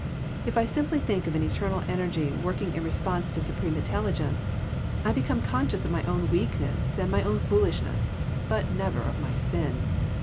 If I simply think of an eternal energy working in response to supreme intelligence, I become conscious of my own weakness and my own foolishness, but never of my sin.